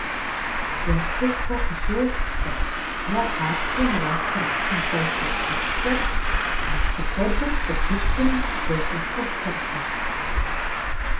Уэшхышхуэ къыщешхкӀэ е гъатхэм уэсыр псынщӀэу щыткӀужкӀэ а псы куэдыр щӀыгулъым зэщӀифыфыркъым.